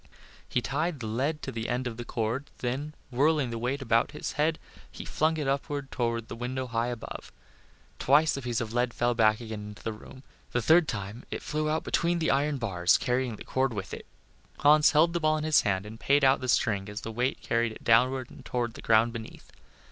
He tied the lead to the end of the cord, then whirling the weight above his head, he flung it up toward the window high above. Twice the piece of lead fell back again into the room; the third time it flew out between the iron bars carrying the cord with it. Hans held the ball in his hand and paid out the string as the weight carried it downward toward the ground beneath.